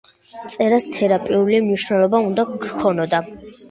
წერას თერაპიული მნიშვნელობა უნდა ჰქონოდა.